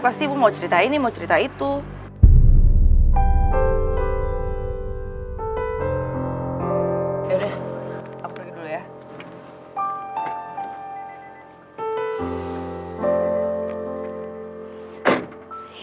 pasti mau cerita ini mau cerita itu ya udah aku dulu ya